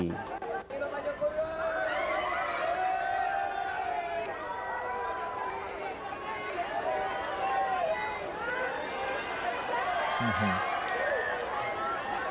ya ini bapak jokowi